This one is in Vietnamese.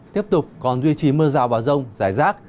tiếp tục còn duy trì mưa rào và rông rải rác